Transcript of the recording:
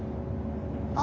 あ。